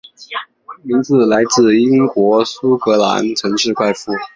名字来自英国苏格兰城市快富。